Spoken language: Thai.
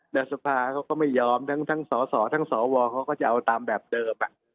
แล้วสภาเขาก็ไม่ยอมทั้งสสทั้งสวเขาก็จะเอาตามแบบเดิม